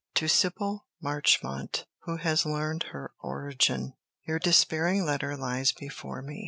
To Sybyl Marchmont Who Has Learned Her Origin Your despairing letter lies before me.